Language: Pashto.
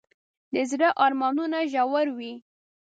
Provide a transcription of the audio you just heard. د زړه ارمانونه ژور وي.